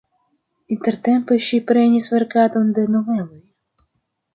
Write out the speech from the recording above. Intertempe ŝi prenis verkadon de noveloj.